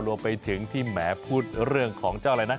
รวมไปถึงที่แหมพูดเรื่องของเจ้าอะไรนะ